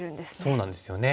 そうなんですよね。